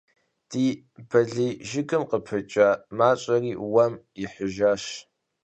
Ди балий жыгым къыпыкӏа мащӏэри уэм ихьыжащ.